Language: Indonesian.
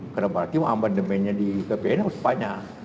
karena berarti amendementnya di gbhn harus banyak